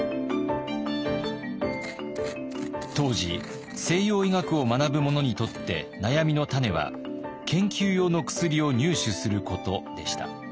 当時西洋医学を学ぶ者にとって悩みの種は研究用の薬を入手することでした。